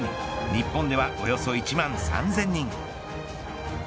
日本ではおよそ１万３０００人。